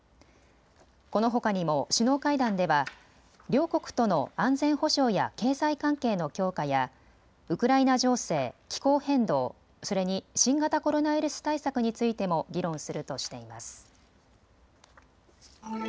このほかにも首脳会談では両国との安全保障や経済関係の強化やウクライナ情勢、気候変動、それに新型コロナウイルス対策についても議論するとしています。